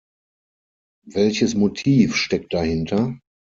Welches Motiv steckt dahinter?